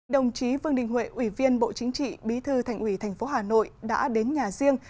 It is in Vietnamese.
đồng chí vương đình huệ ủy viên bộ chính trị bí thư thành ủy thành phố hà nội đã đến nhà riêng